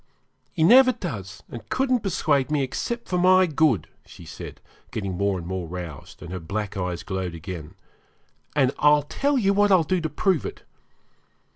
'He never does, and couldn't persuade me, except for my good,' said she, getting more and more roused, and her black eyes glowed again, 'and I'll tell you what I'll do to prove it.